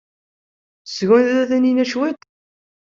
Tesgunfa Taninna cwiṭ?